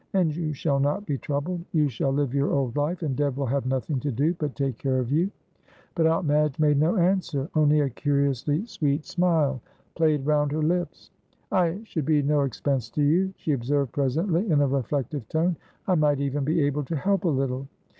And you shall not be troubled; you shall live your old life, and Deb will have nothing to do but take care of you." But Aunt Madge made no answer, only a curiously sweet smite played round her lips. "I should be no expense to you," she observed presently, in a reflective tone. "I might even be able to help a little.